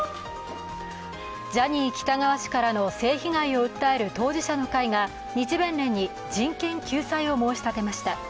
ジャニー喜多川氏からの性被害を訴える当事者の会が日弁連に人権救済を申し立てました。